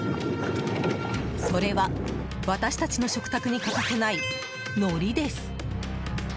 それは私たちの食卓に欠かせないのりです。